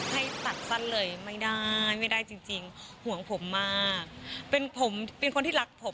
ให้ตัดสั้นเลยไม่ได้ไม่ได้จริงจริงห่วงผมมากเป็นผมเป็นคนที่รักผม